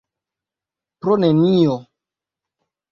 Pro nenio.